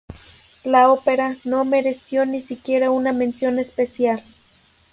La ópera no mereció ni siquiera una mención especial.